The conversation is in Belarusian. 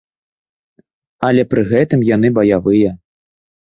Але пры гэтым яны баявыя!